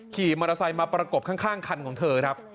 ขี่มอเตอร์ไซค์มาประกบข้างคันของเธอครับ